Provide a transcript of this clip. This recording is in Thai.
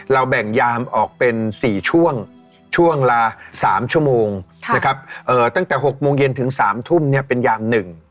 แบ่งยามออกเป็น๔ช่วงช่วงละ๓ชั่วโมงนะครับตั้งแต่๖โมงเย็นถึง๓ทุ่มเป็นยาม๑